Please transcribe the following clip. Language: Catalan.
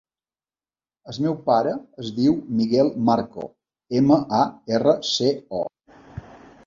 El meu pare es diu Miguel Marco: ema, a, erra, ce, o.